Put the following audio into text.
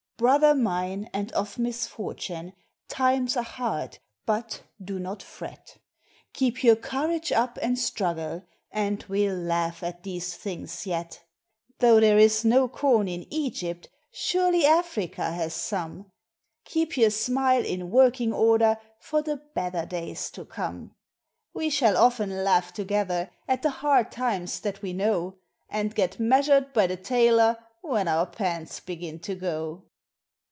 Brother mine, and of misfortune ! times are hard, but do not fret, Keep your courage up and struggle, and we'll laugh at these things yet. Though there is no corn in Egypt, surely Africa has some Keep your smile in working order for the better days to come ! We shall often laugh together at the hard times that we know, And get measured by the tailor when our pants begin to go.